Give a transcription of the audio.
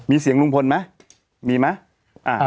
มีเสียงลุงพลไหมมีไหม